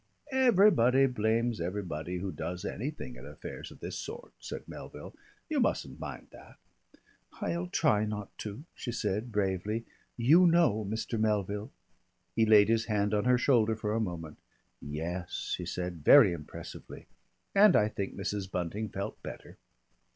"Everybody blames everybody who does anything, in affairs of this sort," said Melville. "You mustn't mind that." "I'll try not to," she said bravely. "You know, Mr. Melville " He laid his hand on her shoulder for a moment. "Yes," he said very impressively, and I think Mrs. Bunting felt better.